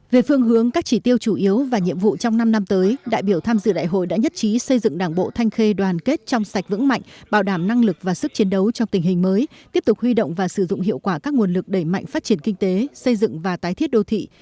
về phương hướng các chỉ tiêu chủ yếu và nhiệm vụ trong năm năm tới đại biểu tham dự đại hội đã nhất trí xây dựng đảng bộ thanh khê đoàn kết trong sạch vững mạnh bảo đảm năng lực và sức chiến đấu trong tình hình mới tiếp tục huy động và sử dụng hiệu quả các nguồn lực đẩy mạnh phát triển kinh tế xây dựng và tái thiết đô thị